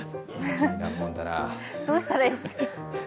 どうしたらいいですか？